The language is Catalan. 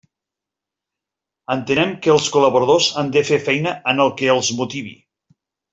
Entenem que els col·laboradors han de fer feina en el que els motivi.